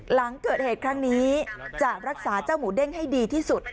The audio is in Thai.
หลังเกิดเหตุครั้งนี้จะรักษาเจ้าหมูเด้งให้ดีที่สุด